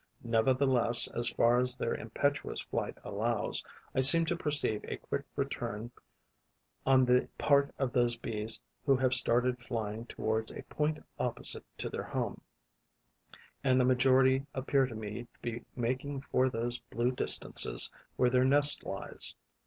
Nevertheless, as far as their impetuous flight allows, I seem to perceive a quick return on the part of those Bees who have started flying towards a point opposite to their home; and the majority appear to me to be making for those blue distances where their nest lies.